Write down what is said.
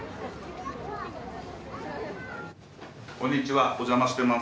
こんにちはお邪魔してます。